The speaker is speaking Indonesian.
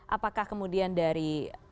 apakah kemudian dari